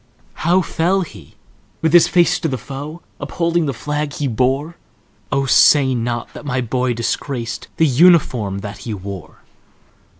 "How fell he,—with his face to the foe, Upholding the flag he bore? Oh, say not that my boy disgracedThe uniform that he wore!"